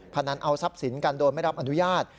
พนันเอาทรัพย์สินกันโดยไม่รับอนุญาต